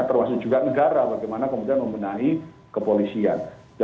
termasuk juga negara bagaimana kemudian membenahi kepolisian